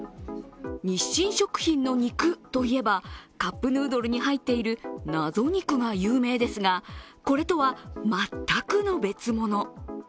日清食品の肉といえばカップヌードルに入っている謎肉が有名ですが、これとはまったくの別物。